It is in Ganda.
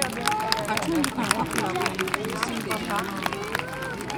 Akatundu kano kakulaakulanidde ku misinde gya maanyi.